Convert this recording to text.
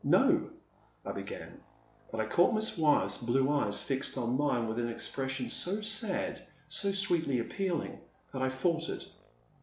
No, I began, but I caught MissWyeth*s blue eyes fixed on mine with an expression so sad, so sweetly appealing, that I fiadtered.